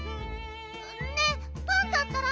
ねえパンタったら！